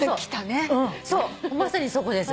まさにそこです。